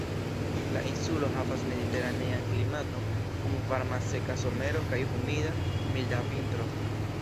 La insulo havas mediteranean klimaton kun varma seka somero kaj humida, milda vintro.